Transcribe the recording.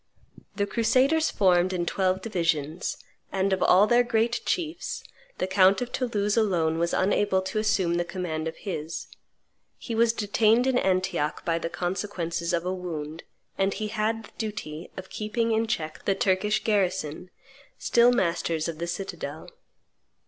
The crusaders formed in twelve divisions; and, of all their great chiefs, the count of Toulouse alone was unable to assume the command of his; he was detained in Antioch by the consequences of a wound, and he had the duty of keeping in check the Turkish garrison, still masters of the citadel.